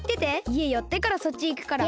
いえよってからそっちいくから。